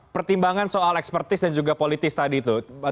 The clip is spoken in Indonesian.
pertimbangan soal ekspertis dan juga politis tadi itu